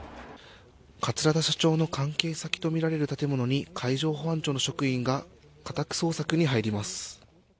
桂田社長の関係先とみられる建物に海上保安庁の職員が家宅捜索に入ります。